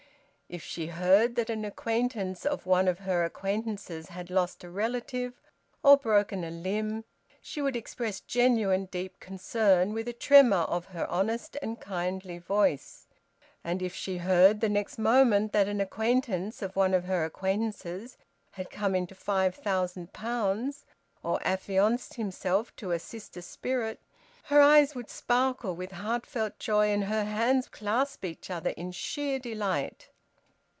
If she heard that an acquaintance of one of her acquaintances had lost a relative or broken a limb, she would express genuine deep concern, with a tremor of her honest and kindly voice. And if she heard the next moment that an acquaintance of one of her acquaintances had come into five thousand pounds or affianced himself to a sister spirit, her eyes would sparkle with heartfelt joy and her hands clasp each other in sheer delight.